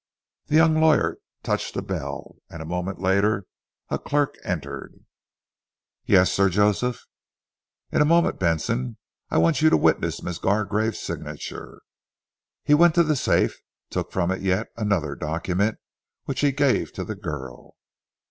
The young lawyer touched a bell, and a moment later a clerk entered. "Yes, Sir Joseph." "In a moment, Benson. I want you to witness Miss Gargrave's signature." He went to the safe, took from it yet another document which he gave to the girl.